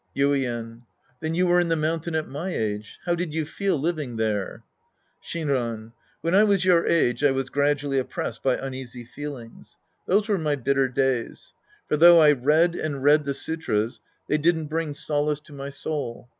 Yiden. Then you were in the mountain at my age. How did you feel living there ? Shinran. When I was your age, I was gradually oppressed by uneasy feelings. Those were my bitter days. For though I read and read the sutras, they didn't bring solace to my soul.